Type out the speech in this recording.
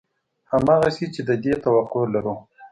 همغسې چې د دې توقع لرو